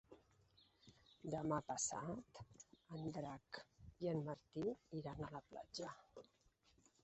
Demà passat en Drac i en Martí iran a la platja.